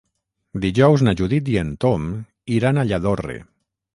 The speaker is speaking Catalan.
Dijous na Judit i en Tom iran a Lladorre.